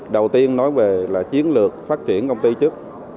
đầu tiên nói về là chiến lược phát triển công ty trước